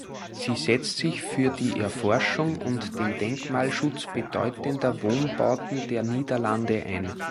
Sie setzt sich für die Erforschung und den Denkmalschutz bedeutender Wohnbauten der Niederlande ein.